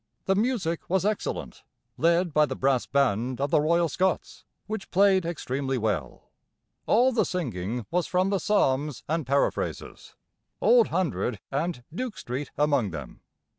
The music was excellent, led by the brass band of the Royal Scots, which played extremely well. All the singing was from the psalms and paraphrases: "Old Hundred" and "Duke Street" among them.